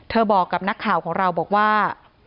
เธอบอกกับหน้าข่าวของเราว่า